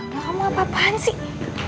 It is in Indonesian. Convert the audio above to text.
mama apa apaan sih